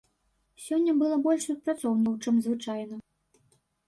Сёння было больш супрацоўнікаў, чым звычайна.